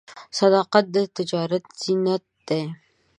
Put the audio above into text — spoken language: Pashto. صداقت د تجارت زینت دی.